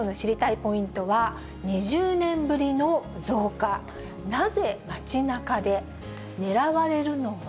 ポイントは、２０年ぶりの増加、なぜ街なかで、狙われるのは。